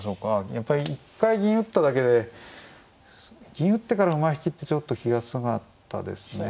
やっぱり一回銀打っただけで銀打ってからの馬引きってちょっと気が付かなかったですね。